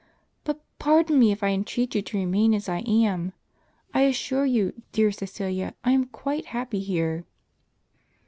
But pardon me if I entreat you to remain as I am; I assure you, dear Csecilia, I am quite happy here."